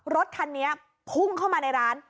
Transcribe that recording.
รถคันนี้พุ่งเข้ามาในร้าน